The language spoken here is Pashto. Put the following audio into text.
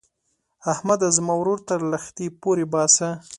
احمده؛ زما ورور تر لښتي پورې باسه.